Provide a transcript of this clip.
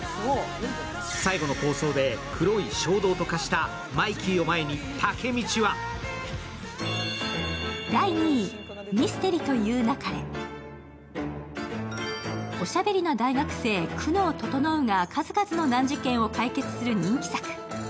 最後の抗争で黒い衝動と化したマイキーを前に武道はおしゃべりな大学生・久能整が数々の難事件を解決する人気作。